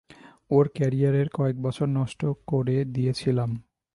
ওর ক্যারিয়ারের কয়েকবছর নষ্ট করে দিয়েছিলাম।